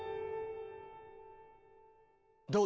どう？